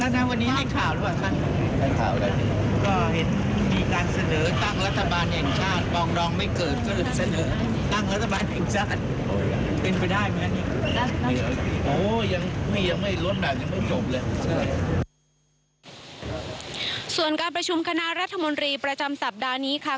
ส่วนการประชุมคณะรัฐมนตรีประจำสัปดาห์นี้ค่ะ